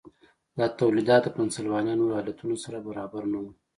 دا تولیدات د پنسلوانیا او نورو ایالتونو سره برابر نه وو.